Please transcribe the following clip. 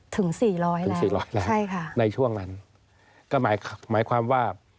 ถึง๔๐๐แล้วใช่ค่ะในช่วงนั้นก็หมายความว่า